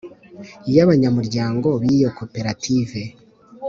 y abanyamuryango b iyo Koperative